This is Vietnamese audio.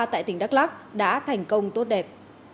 tại tỉnh đắk lắc đã thành công tốt đẹp